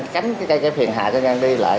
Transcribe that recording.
cánh cái phiền hạ cho người dân đi lại